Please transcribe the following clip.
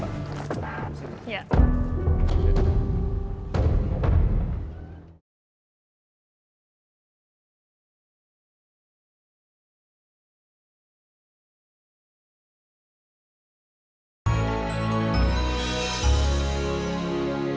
kalau ada rabik